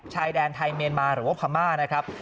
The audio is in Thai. ชายแดนไทยเมียนมาหรือว่าพม่านะครับ